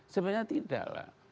sebenarnya tidak lah